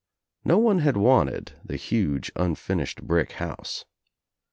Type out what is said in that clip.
No one had wanted the huge unfinished brick house.